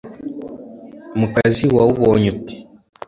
mukazi wawubonye ute?”